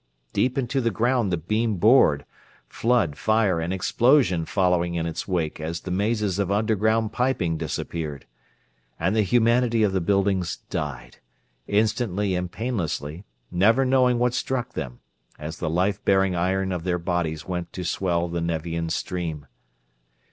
Deep into the ground the beam bored; flood, fire, and explosion following in its wake as the mazes of underground piping disappeared. And the humanity of the buildings died: instantaneously and painlessly, never knowing what struck them, as the life bearing iron of their bodies went to swell the Nevian stream.